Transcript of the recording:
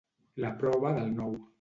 La prova del nou.